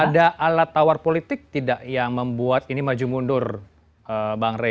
ada alat tawar politik tidak yang membuat ini maju mundur bang rey